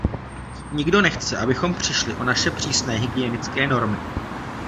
Nikdo nechce, abychom přišli o naše přísné hygienické normy.